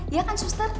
iya kan suster